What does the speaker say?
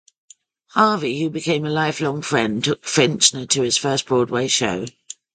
Harvey, who became a lifelong friend, took Fichtner to his first Broadway show.